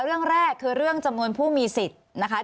เรื่องแรกคือเรื่องจำนวนผู้มีสิทธิ์นะคะ